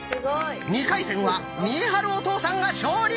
２回戦は見栄晴お父さんが勝利！